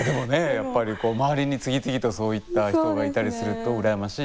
やっぱりこう周りに次々とそういった人がいたりすると羨ましいという。